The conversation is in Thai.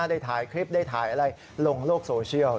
ได้ถ่ายคลิปได้ถ่ายอะไรลงโลกโซเชียล